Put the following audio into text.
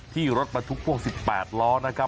ที่รถบรรทุกพ่วง๑๘ล้อนะครับ